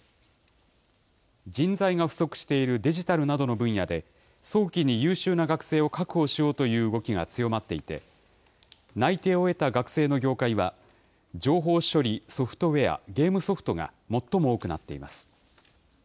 人材が不足しているデジタルなどの分野で、早期に優秀な学生を確保しようという動きが強まっていて、内定を得た学生の業界は、情報処理・ソフトウエア・ゲームソフトが最も多くなっています。